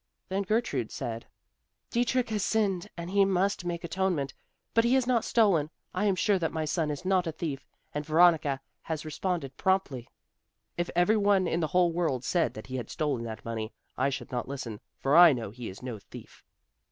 Then Gertrude said, "Dietrich has sinned and he must make atonement, but he has not stolen; I am sure that my son is not a thief." And Veronica had responded promptly, "If every one in the whole world said that he had stolen that money, I should not listen; for I know he is no thief."